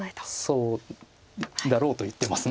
そうだろうと言っています関さんは。